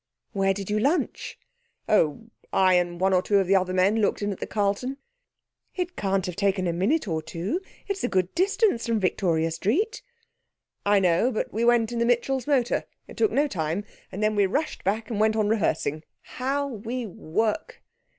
'Where did you lunch?' 'Oh, I and one or two of the other men looked in at the Carlton.' 'It can't have taken a minute or two. It's a good distance from Victoria Street.' 'I know, but we went in the Mitchells' motor. It took no time. And then we rushed back, and went on rehearsing. How we work!'